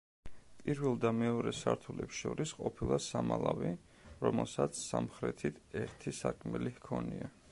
პირველ და მეორე სართულებს შორის ყოფილა სამალავი, რომელსაც სამხრეთით ერთი სარკმელი ჰქონია.